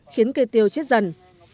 khiến cây tiêu chết dần